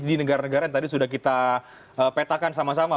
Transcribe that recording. di negara negara yang tadi sudah kita petakan sama sama